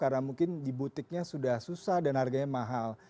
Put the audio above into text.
karena mungkin di butiknya sudah susah dan harganya mahal